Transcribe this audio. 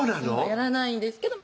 やらないんですけど